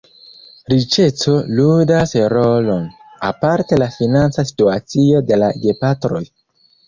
Riĉeco ludas rolon, aparte la financa situacio de la gepatroj.